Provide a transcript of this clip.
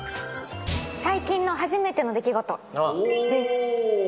最近のはじめての出来事です。